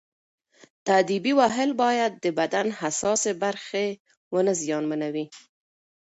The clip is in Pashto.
تاديبي وهل باید د بدن حساسې برخې ونه زیانمنوي.